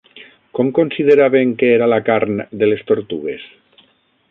Com consideraven que era la carn de les tortugues?